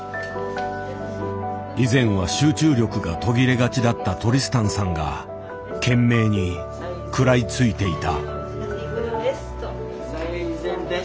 以前は集中力が途切れがちだったトリスタンさんが懸命に食らいついていた。